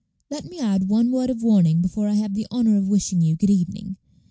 Let me add one word of warning before I have the honor of wishing you good evening.